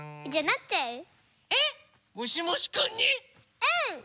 うん！